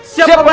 siap pak bandar